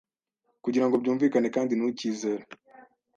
kugirango byumvikane kandi ntukizere